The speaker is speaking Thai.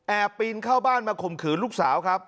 ปีนเข้าบ้านมาข่มขืนลูกสาวครับ